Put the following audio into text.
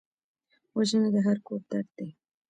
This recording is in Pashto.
وژنه د هر کور درد دی